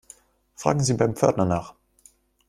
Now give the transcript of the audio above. Fragen Sie beim Pförtner nach.